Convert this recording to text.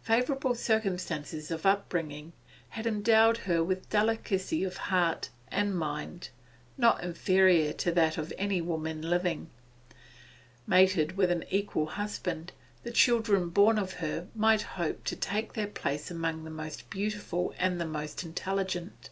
Favourable circumstances of upbringing had endowed her with delicacy of heart and mind not inferior to that of any woman living; mated with an equal husband, the children born of her might hope to take their place among the most beautiful and the most intelligent.